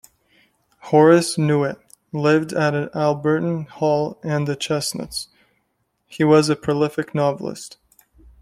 Horace Newte lived at Alderton Hall and the Chestnuts: he was a prolific novelist.